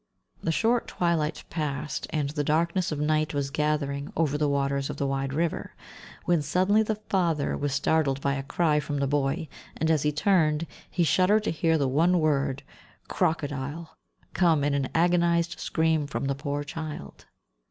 The short twilight passed, and the darkness of night was gathering over the waters of the wide river, when suddenly the father was startled by a cry from the boy, and, as he turned, he shuddered to hear the one word, "crocodile," come in an agonised scream from the poor child.